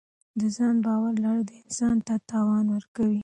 د ځان باور لرل انسان ته توان ورکوي.